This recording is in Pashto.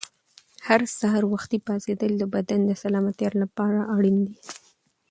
هر سهار وختي پاڅېدل د بدن د سلامتیا لپاره اړین دي.